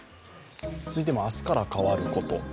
続いても明日から変わること。